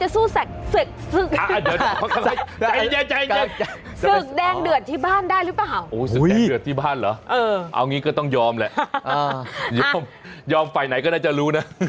สึกแดงเดือดที่บ้านได้หรือเปล่าสึกแดงเดือดที่บ้านเหรอเอางี้ก็ต้องยอมแหละยอมไปไหนก็ได้จะรู้นะ